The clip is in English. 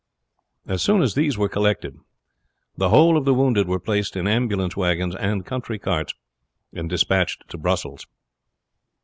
As soon as these were collected the whole of the wounded were placed in ambulance wagons and country carts, and despatched to Brussels.